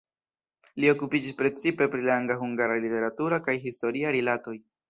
Li okupiĝis precipe pri la angla-hungara literatura kaj historia rilatoj.